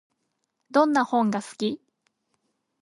どんな本が好き？